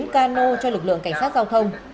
chín cano cho lực lượng cảnh sát giao thông